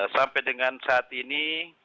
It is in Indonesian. sampai dengan saat ini